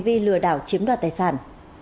đi lừa đảo chiếm đoạt tài sản